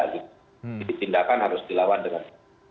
jadi tindakan harus dilawan dengan